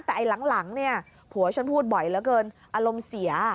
แต่ไอ้หลังเนี่ยผัวฉันพูดบ่อยเหลือเกินอารมณ์เสีย